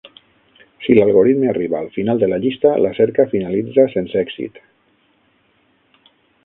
Si l"algoritme arriba al final de la llista, la cerca finalitza sense èxit.